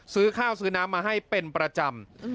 ซื้อข้าวซื้อน้ำมาให้เป็นประจำ